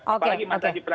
apalagi makasih peran